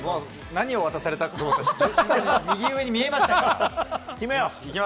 何を渡されたか、右上に見えました。